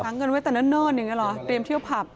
เงินไว้แต่เนิ่นอย่างนี้หรอเตรียมเที่ยวผับ